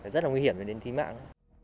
rất là nguy hiểm để đến thi mạng